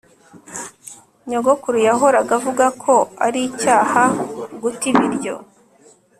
nyogokuru yahoraga avuga ko ari icyaha guta ibiryo